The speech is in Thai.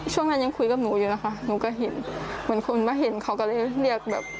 ช่วงนั้นยังคุยกับหนูอยู่นะคะหนูก็เห็นเหมือนคนมาเห็นเขาก็เลยเรียกแบบ